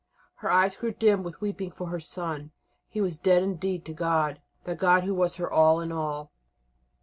Her eyes grew dim with weeping for her son. He was dead indeed to God that God who was her All in All.